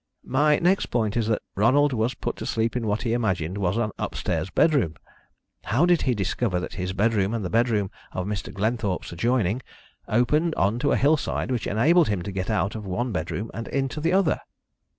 "My next point is that Ronald was put to sleep in what he imagined was an upstairs bedroom. How did he discover that his bedroom, and the bedroom of Mr. Glenthorpe's adjoining, opened on to a hillside which enabled him to get out of one bedroom and into the other?"